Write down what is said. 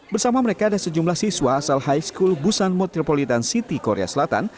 bersama mereka ada sejumlah siswa asal high school busan metropolitan city korea selatan